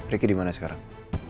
riki di mana sekarang